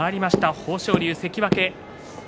豊昇龍、関脇。